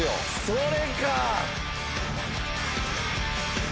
それか！